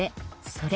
「それ」